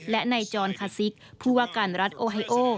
และนายจอร์นคาซิกผู้วกันรัฐโอไฮโอ